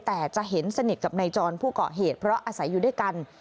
แต่จะเห็นสนิทกับนายจรผู้เกาะเหตุเพราะอาศัยอยู่ด้วยกัน